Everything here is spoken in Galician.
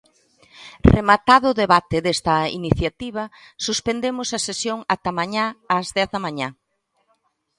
Rematado o debate desta iniciativa, suspendemos a sesión ata mañá ás dez da mañá.